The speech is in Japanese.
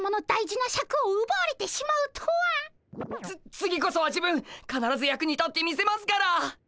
次こそは自分かならず役に立ってみせますから！